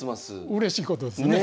うれしいことですね。